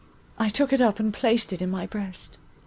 I took it up and placed it in my breast.